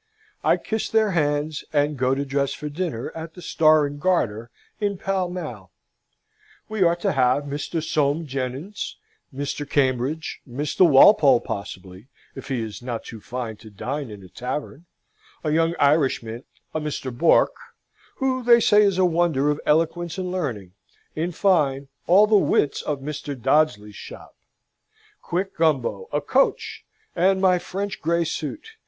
I kiss their hands, and go to dress for dinner, at the Star and Garter, in Pall Mall. We are to have Mr. Soame Jenyns, Mr. Cambridge, Mr. Walpole, possibly, if he is not too fine to dine in a tavern; a young Irishman, a Mr. Bourke, who they say is a wonder of eloquence and learning in fine, all the wits of Mr. Dodsley's shop. Quick, Gumbo, a coach, and my French grey suit!